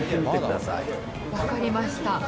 分かりました。